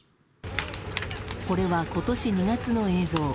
これは、今年２月の映像。